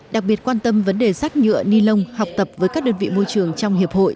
đặc biệt quan tâm vấn đề rác nhựa ni lông học tập với các đơn vị môi trường trong hiệp hội